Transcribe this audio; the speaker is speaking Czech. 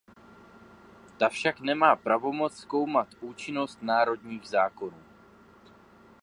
Ta však nemá pravomoc zkoumat účinnost národních zákonů.